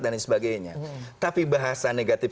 dan sebagainya tapi bahasa negatif